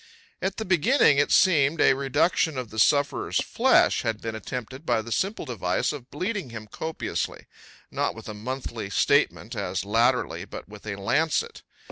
At the beginning, it seemed, a reduction of the sufferer's flesh had been attempted by the simple device of bleeding him copiously not with a monthly statement, as latterly, but with a lancet.